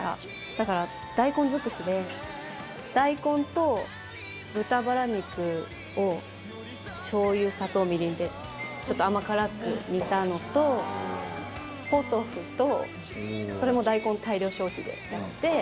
だから大根尽くしで大根と豚バラ肉を醤油砂糖みりんでちょっと甘辛く煮たのとポトフとそれも大根大量消費でやって。